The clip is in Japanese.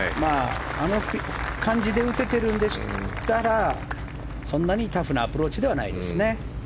あの感じで打ててるんでしたらそんなにタフなアプローチではないですね。